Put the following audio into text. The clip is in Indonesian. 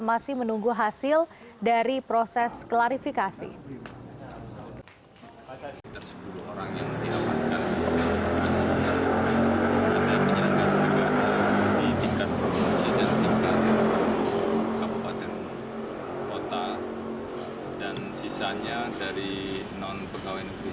masih menunggu hasil dari proses klarifikasi